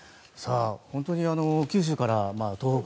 本当に九州から東北